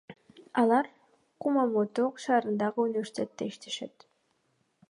Алар Кумамото шаарындагы университетте иштешет.